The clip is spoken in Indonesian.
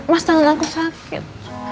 mas tanganku sakit